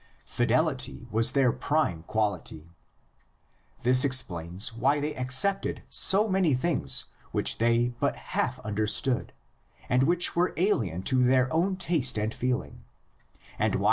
Fidelity was their prime quality. This explains why they accepted so many things which they but half understood and which were alien to their own taste and feeling; and why THE LATER COLLECTIONS.